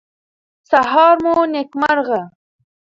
سهار مو نیکمرغه.